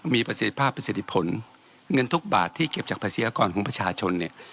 มีประสิทธิภาพประสิทธิผลเงินทุกบาทที่เก็บจากภาษีอากรของประชาชนเนี่ย